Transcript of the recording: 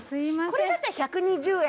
これだったら１２０円。